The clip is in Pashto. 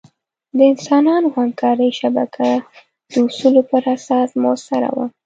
د انسانانو همکارۍ شبکه د اصولو پر اساس مؤثره وه.